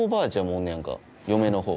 おんねんやんか嫁のほう。